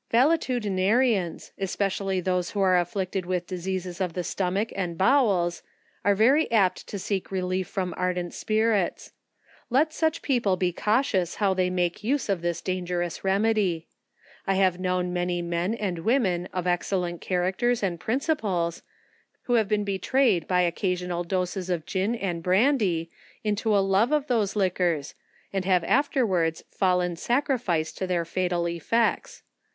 Valetudinarians, especially those who are afflicted with diseases of the stomuch and bowels, are very apt to seek relief from ardent spirits. Let such people be cau tious how they make use of this dangerous remedy. I have known many men ami women of excellent charao lb* ox THE EFFECTS OF ters and principles, who have been betrayed by occasion al doses of gin and brandy, into a love of those liquors, and have afterwards fallen sacrifices to their fatal effects.